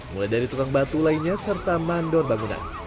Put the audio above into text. mulai dari tukang batu lainnya serta mandor bangunan